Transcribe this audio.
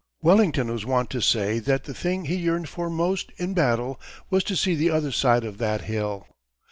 Wellington was wont to say that the thing he yearned for most in battle was to "see the other side of that hill."